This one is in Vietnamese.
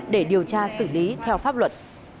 để điều tra xử lý theo pháp luật